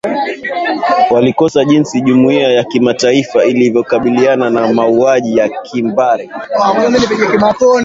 walikosoa jinsi jumuiya ya kimataifa ilivyokabiliana na mauaji ya kimbari